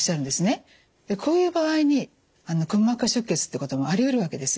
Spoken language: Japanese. こういう場合にくも膜下出血ってこともありうるわけです。